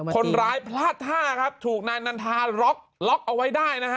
คนร้ายพลาดท่าครับถูกนายนันทาล็อกล็อกเอาไว้ได้นะฮะ